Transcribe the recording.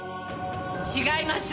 違います！